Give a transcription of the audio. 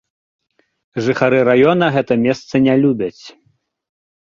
Жыхары раёна гэта месца не любяць.